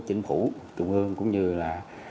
chính phủ trung ương cũng như là